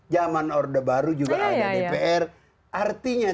zaman orde baru juga ada dpr artinya